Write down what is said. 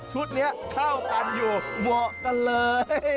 ชุดนี้เข้ากันอยู่เหมาะกันเลย